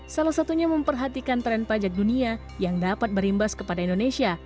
salah satunya memperhatikan tren pajak dunia yang dapat berimbas kepada indonesia